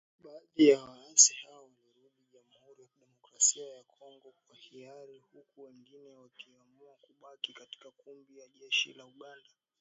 Baadhi ya waasi hao walirudi Jamhuri ya Kidemokrasia ya Kongo kwa hiari huku wengine wakiamua kubaki katika kambi ya jeshi la Uganda